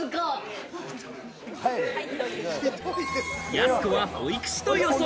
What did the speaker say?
やす子は保育士と予想。